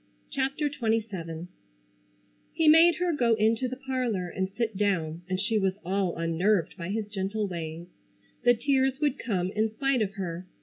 CHAPTER XXVII He made her go into the parlor and sit down and she was all unnerved by his gentle ways. The tears would come in spite of her.